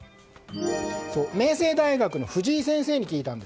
明星大学の藤井先生に聞きました。